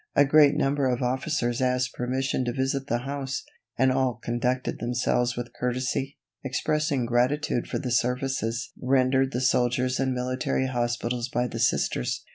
A great number of officers asked permission to visit the house, and all conducted themselves with courtesy, expressing gratitude for the services rendered the soldiers in military hospitals by the Sisters.